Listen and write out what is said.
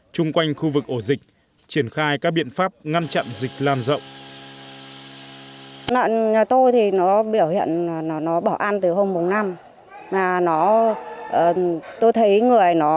chung quanh khu vực ổ dịch triển khai các biện pháp ngăn chặn dịch lan rộng